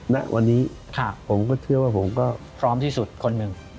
ณวันนี้ผมก็เชื่อว่าผมก็พร้อมที่สุดคนหนึ่ง